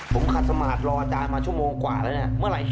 พวกมึงเห็นบารมีอาจารย์หรือยัง